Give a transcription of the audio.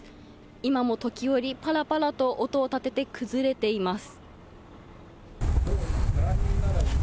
今も時折ぱらぱらと音を立てて崩れています。